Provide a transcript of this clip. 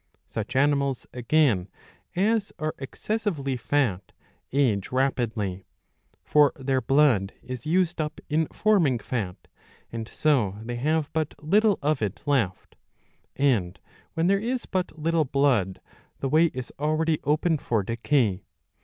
Such animals, again, as are excessively fat age rapidly. For their blood is used up in forming fat, and so they have but little of it left; and when there is but little blood the way is already open for decay.